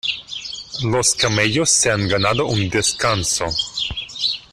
Los camellos se han ganado un descanso.